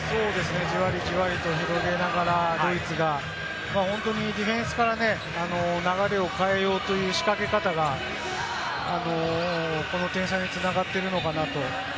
じわりじわりと広げながらドイツがディフェンスからね、流れを変えようという仕掛け方が、この点差に繋がっているのかなと。